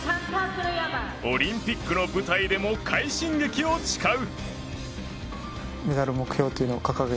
オリンピックの舞台でも快進撃を誓う。